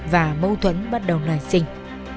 và mâu thuẫn bắt đầu nảy sinh